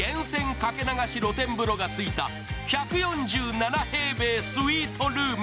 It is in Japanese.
掛け流し露天風呂が付いた１４７平米スイートルーム。